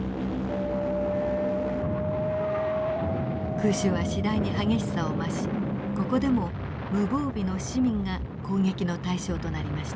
空襲は次第に激しさを増しここでも無防備の市民が攻撃の対象となりました。